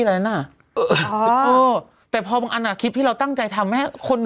นั้นอ่ะเออแต่พอบางอันอ่ะคลิปที่เราตั้งใจทำให้คน